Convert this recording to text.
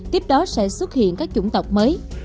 tiếp đó sẽ xuất hiện các chủng tộc mới